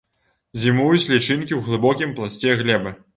Зімуюць лічынкі ў глыбокім пласце глебы.